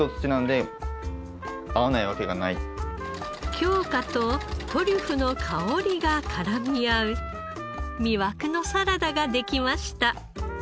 京香とトリュフの香りが絡み合う魅惑のサラダができました。